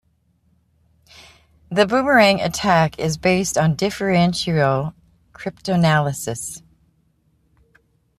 The boomerang attack is based on differential cryptanalysis.